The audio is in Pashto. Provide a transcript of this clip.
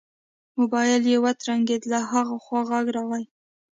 موبايل يې وترنګېد له ها خوا غږ راغی.